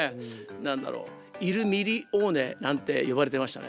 何だろイル・ミリオーネなんて呼ばれてましたね。